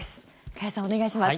加谷さん、お願いします。